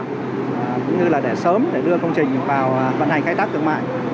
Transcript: cũng như là để sớm để đưa công trình vào vận hành khai thác thương mại